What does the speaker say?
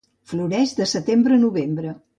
Floreix de setembre a novembre.